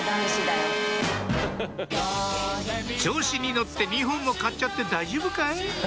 調子に乗って２本も買っちゃって大丈夫かい？